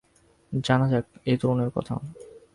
জানা যাক এই তরুণের কথা।